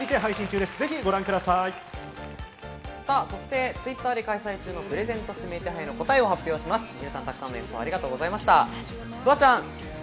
そしてＴｗｉｔｔｅｒで開催中のプレゼント指名手配の答えを発表します。